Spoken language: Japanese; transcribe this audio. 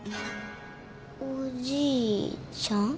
おじいちゃん？